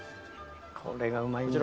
これがうまいんだよな。